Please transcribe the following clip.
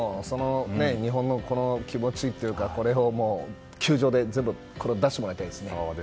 日本の気持ちというかこれを球場で全部、出してもらいたいですね。